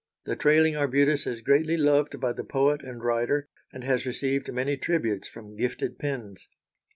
The trailing arbutus is greatly loved by the poet and writer, and has received many tributes from gifted pens.